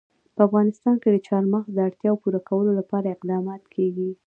په افغانستان کې د چار مغز د اړتیاوو پوره کولو لپاره اقدامات کېږي.